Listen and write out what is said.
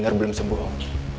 benar benar belum sembuh om